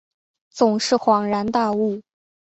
总是恍然大悟